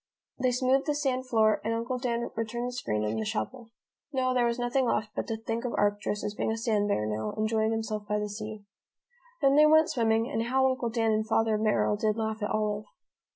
They smoothed the sand floor and Uncle Dan returned the screen and the shovel. No, there was nothing left but to think of Arcturus as being a sand bear now, enjoying himself by the sea. Then they went swimming, and how Uncle Dan and Father Merrill did laugh at Olive.